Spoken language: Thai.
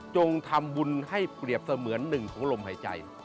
จงทำบุญให้เปรียบเสมือนหนึ่งของลมหายใจ